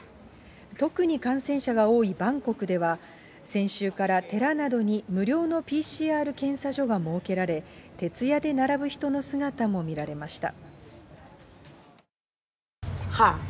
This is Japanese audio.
特に感染者が多いバンコクでは、先週から寺などに無料のＰＣＲ検査所が設けられ、徹夜で並ぶ人の姿も見られました。